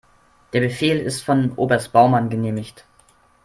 Der Befehl ist von Oberst Baumann genehmigt.